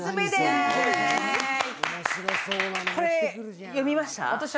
これ、読みました？